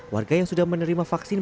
warga yang sudah menerima vaksin